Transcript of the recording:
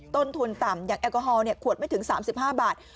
ต้นทุนต่ำอย่างแอลกอฮอลขวดไม่ถึง๓๕บาท